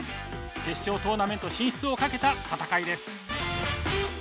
決勝トーナメント進出をかけた戦いです。